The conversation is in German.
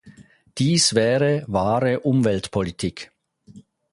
Dies wäre wahre Umweltpolitik.